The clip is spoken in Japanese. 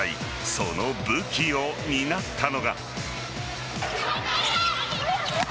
その武器を担ったのが。